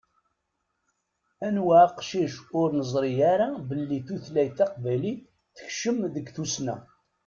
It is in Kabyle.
Anwa aqcic ur nezṛi ara belli tutlayt taqbaylit tekcem deg tussna.